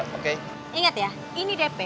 ingat ya ini dp